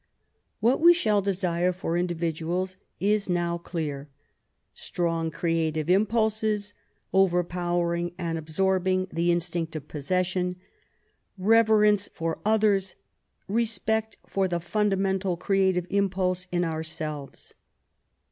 What we shall desire for individuals is now clear: strong creative impulses, overpowering and absorbing the instinct of possession; reverence for others; respect for the fundamental creative impulse in ourselves.